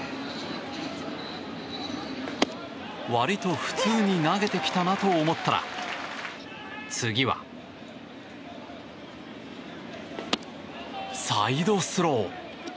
割と普通に投げてきたなと思ったら次は、サイドスロー。